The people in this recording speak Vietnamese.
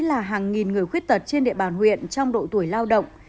là hàng nghìn người khuyết tật trên địa bàn huyện trong độ tuổi lao động